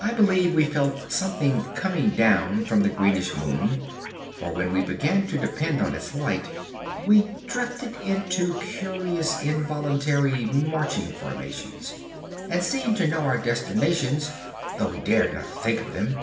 I believe we felt something coming down from the greenish moon, for when we began to depend on its light we drifted into curious involuntary marching formations and seemed to know our destinations though we dared not think of them.